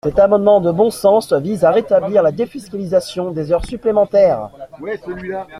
Cet amendement de bon sens vise à rétablir la défiscalisation des heures supplémentaires.